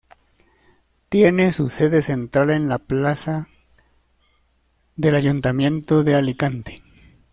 Tiene su sede central en la Plaza del Ayuntamiento de Alicante.